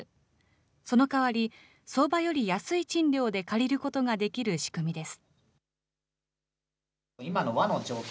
その代わり相場より安い賃料で借りることができる仕組みです。